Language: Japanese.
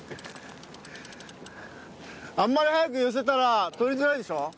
あんまり早く寄せたらとりづらいでしょ？